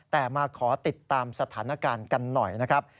แต่มาขอติดตามสถานการณ์กันหน่อยนะครับ